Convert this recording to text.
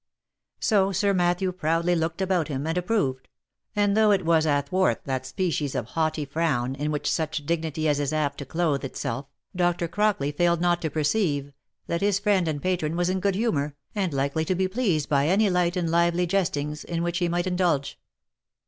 So Sir Matthew proudly looked about him, and approved ; and though it was athwart that species of haughty frown, in which such dignity as his is apt to clothe itself, Dr. Crockley failed not to perceive, that his friend and patron was in good humour, and likely to be pleased by any light and lively jestings in which he might indulge.